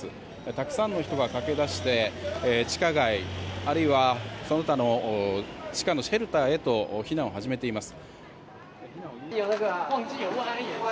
たくさんの人が駆け出して地下街、あるいはその他の地下のシェルターへと避難を始めています。